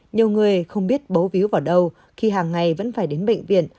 nhiều người không biết bố víu vào đâu khi hàng ngày vẫn phải đến bệnh viện